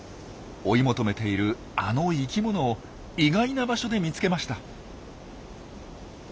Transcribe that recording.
追い求めているあの生きものを意外な場所で見つけました。